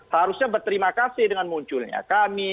harusnya berterima kasih dengan munculnya kami